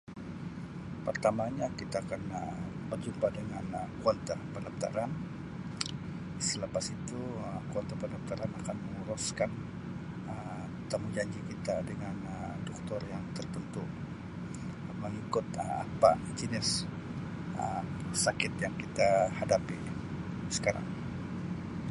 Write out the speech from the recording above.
Pertamanya kita kena berjumpa dengan Um kaunter pendaftaran selepas itu Um kaunter pendaftaran akan menguruskan Um temujanji kita dengan Um Doktor yang tertentu mengikut Um apa jenis Um sakit yang kita hadapi sekarang.